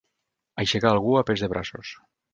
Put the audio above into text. Aixecar algú a pes de braços.